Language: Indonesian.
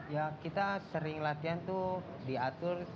ya kita sering latihan tuh di atas